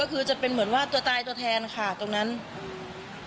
เธอก็เชื่อว่ามันคงเป็นเรื่องความเชื่อที่บรรดองนำเครื่องเส้นวาดผู้ผีปีศาจเป็นประจำ